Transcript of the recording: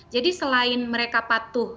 jadi selain mereka patuh